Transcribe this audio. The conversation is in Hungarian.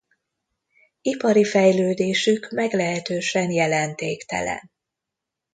Ipari fejlődésük meglehetősen jelentéktelen.